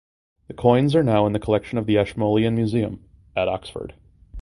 The coins are now in the collection of the Ashmolean Museum at Oxford.